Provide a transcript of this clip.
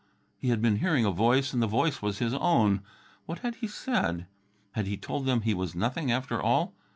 He had been hearing a voice, and the voice was his own. What had he said? Had he told them he was nothing, after all?